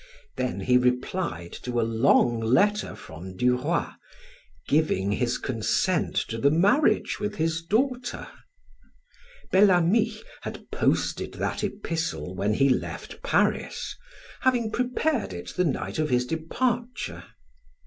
Then he replied to a long letter from Du Roy, giving his consent to his marriage with his daughter. Bel Ami had posted that epistle when he left Paris, having prepared it the night of his departure.